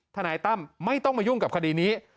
ทนายตั้มไม่ต้องมายุ่งกับคดีนี้